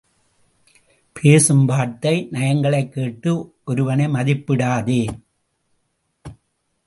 பேசும் வார்த்தை நயங்களைக் கேட்டு ஒருவனை மதிப்பிடாதே.